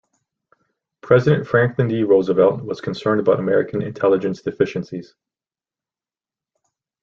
President Franklin D. Roosevelt was concerned about American intelligence deficiencies.